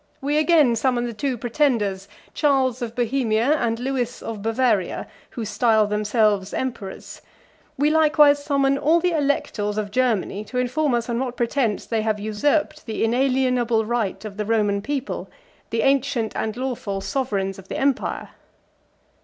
38 We again summon the two pretenders, Charles of Bohemia and Lewis of Bavaria, who style themselves emperors: we likewise summon all the electors of Germany, to inform us on what pretence they have usurped the inalienable right of the Roman people, the ancient and lawful sovereigns of the empire."